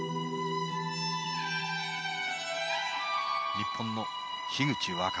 日本の口新葉。